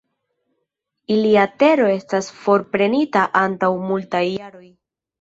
Ilia tero estas forprenita antaŭ multaj jaroj.